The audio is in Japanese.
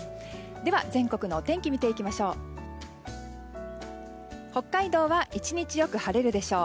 では、全国のお天気見ていきましょう。